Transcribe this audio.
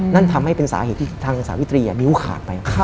นั่นทำให้เป็นสาเหตุที่ทางสาวิตรีนิ้วขาดไป